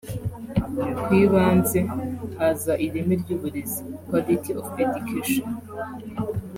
ku ibanze haza ireme ry’uburezi(Quality of Education)